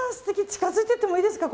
近づいていってもいいですか。